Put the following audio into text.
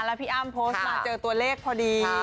แล้วพี่อ้ำโพสต์มาเจอตัวเลขพอดี